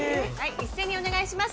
一斉にお願いします